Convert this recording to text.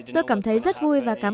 tôi cảm thấy rất vui và cảm ơn